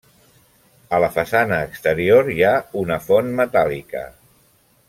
A la façana exterior hi ha una font metàl·lica.